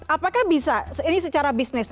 apakah bisa ini secara bisnis